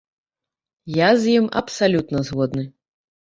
Я з ім абсалютна згодны.